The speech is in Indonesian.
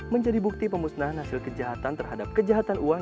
menjadi bukti pemusnahan hasil kejahatan terhadap kejahatan uang